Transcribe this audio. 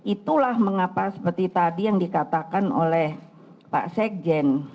itulah mengapa seperti tadi yang dikatakan oleh pak sekjen